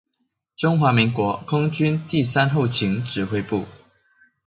中華民國空軍第三後勤指揮部